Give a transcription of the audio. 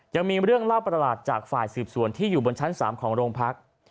ยังมีเรื่องเล่าประหลาดจากฝ่ายสืบสวนที่อยู่บนชั้น๓ของโรงพัก